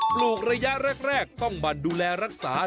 ปลูกระยะแรกต้องหั่นดูแลรักษา